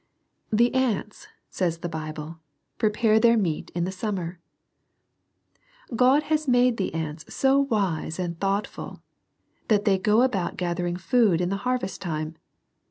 "The ants," says the Bible, "prepare their meat in the summer." God has made the ants so wise and thoughtful, that they go about gathering food in the harvest time.